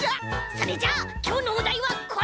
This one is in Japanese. それじゃあきょうのおだいはこれ！